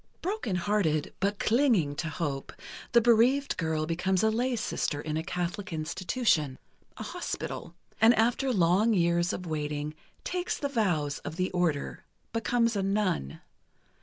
Broken hearted, but clinging to hope, the bereaved girl becomes a lay sister in a Catholic institution—a hospital—and after long years of waiting, takes the vows of the Order, becomes a nun.